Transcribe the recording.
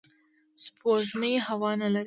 سپوږمۍ هوا نه لري